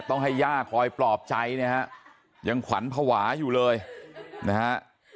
ต้องให้ย่าคอยปลอบใจเนี่ยฮะยังขวัญภาวะอยู่เลยนะฮะ